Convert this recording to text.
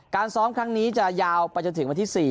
ซ้อมครั้งนี้จะยาวไปจนถึงวันที่๔